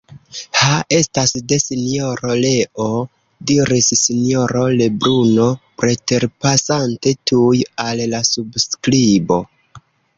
Ha! estas de Sinjoro Leo, diris Sinjoro Lebruno preterpasante tuj al la subskribo.